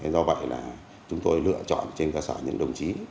do vậy là chúng tôi lựa chọn trên cơ sở những đồng chí